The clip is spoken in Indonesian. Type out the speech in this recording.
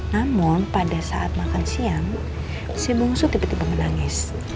namun pada saat makan siang si bungsu tiba tiba menangis